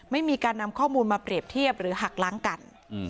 ไม่มีการนำข้อมูลมาเปรียบเทียบหรือหักล้างกัน